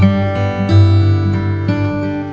terima kasih ya mas